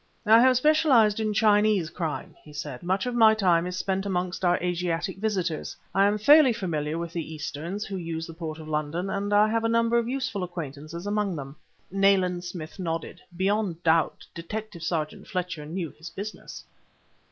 "I have specialized in Chinese crime," he said; "much of my time is spent amongst our Asiatic visitors. I am fairly familiar with the Easterns who use the port of London, and I have a number of useful acquaintances among them." Nayland Smith nodded. Beyond doubt Detective sergeant Fletcher knew his business.